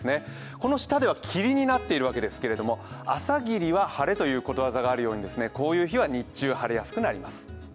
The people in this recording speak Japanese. この下では霧になっているわけですけれども、朝霧は晴れということわざがあるようにこういう日は日中晴れやすくなります。